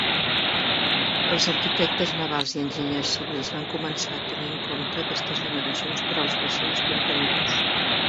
Els arquitectes navals i enginyers civils van començar a tenir en compte aquestes dimensions per als vaixells contenidors.